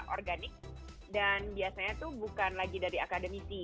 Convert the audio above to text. organik dan biasanya itu bukan lagi dari akademisi